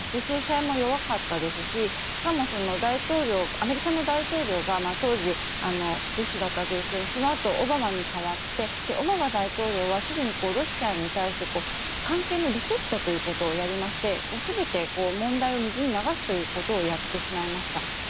制裁も弱かったですししかもアメリカの大統領が当時、ブッシュだったわけですがそのあと、オバマに代わってオバマ大統領はすぐにロシアに対して関係のリセットということをやりまして全て問題を水に流すということをやってしまいました。